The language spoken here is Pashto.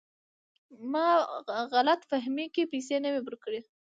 ما په غلط فهمۍ کې پیسې نه وې ورکړي.